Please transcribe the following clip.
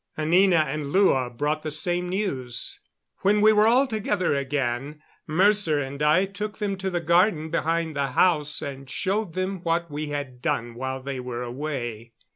Anina and Lua brought the same news. When we were all together again Mercer and I took them to the garden behind the house and showed them what we had done while they were away.